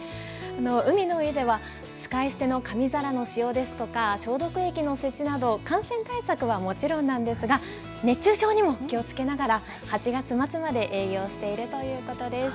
海の家では使い捨ての紙皿の使用ですとか、消毒液の設置など、感染対策はもちろんなんですが、熱中症にも気をつけながら、８月末まで営業しているということです。